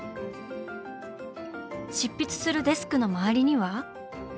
執筆するデスクの周りには。